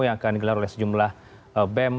yang akan digelar oleh sejumlah bem